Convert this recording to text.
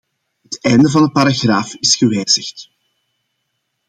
Het einde van de paragraaf is gewijzigd.